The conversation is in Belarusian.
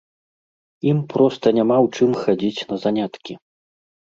Ім проста няма ў чым хадзіць на заняткі.